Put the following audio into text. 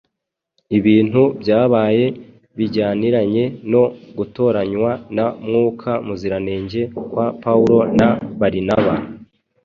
Ibintu byabaye bijyaniranye no gutoranywa na Mwuka Muziranenge kwa Pawulo na Barinaba